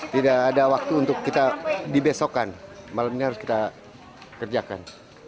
tidak ada waktu untuk kita dibesokkan malam ini harus kita kerjakan